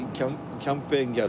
キャンペーンギャル。